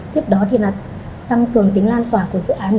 tiếp đó thì là tăng cường tính lan tỏa của dự án